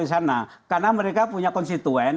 di sana karena mereka punya konstituen